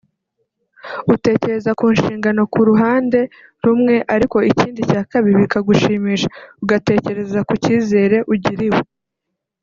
utekereza ku nshingano ku ruhande rumwe ariko ikindi cya kabiri bikagushimisha ugatekereza ku cyizere ugiriwe